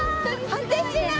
果てしない！